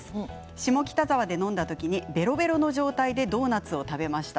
下北沢で飲んだ時にべろべろの状態でドーナツを食べました。